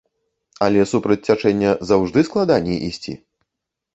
Але супраць цячэння заўжды складаней ісці.